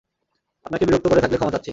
আপনাকে বিরক্ত করে থাকলে ক্ষমা চাচ্ছি।